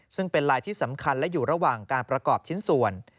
ซึ่งเป็นลายที่สำคัญและอยู่ระหว่างการประกอบชิ้นส่วน